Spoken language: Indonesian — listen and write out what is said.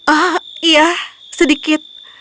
oh ya sedikit